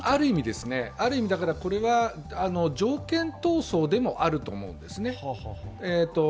ある意味これが、条件闘争でもあると思うんですね。